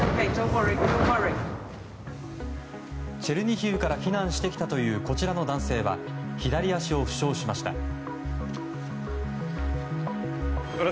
チェルニヒウから避難してきたというこちらの男性は左足を負傷しました。